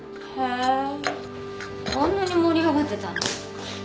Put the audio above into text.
あんなに盛り上がってたのに。